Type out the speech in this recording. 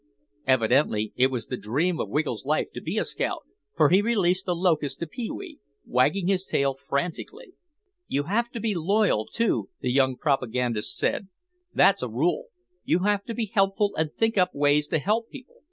Evidently it was the dream of Wiggle's life to be a scout for he released the locust to Pee wee, wagging his tail frantically. "You have to be loyal, too," the young propagandist said; "that's a rule. You have to be helpful and think up ways to help people.